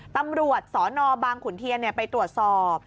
ตำรวจสนบางขุนเทียนไปตรวจสอบ